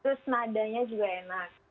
terus nadanya juga enak